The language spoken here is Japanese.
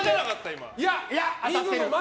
今。